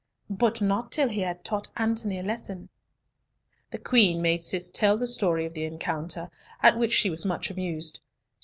but not till he had taught Antony a lesson." The Queen made Cis tell the story of the encounter, at which she was much amused.